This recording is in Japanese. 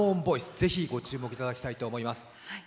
ぜひご注目いただきたいと思います。